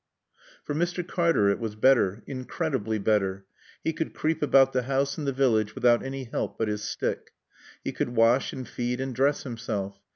For Mr. Cartaret was better, incredibly better. He could creep about the house and the village without any help but his stick. He could wash and feed and dress himself.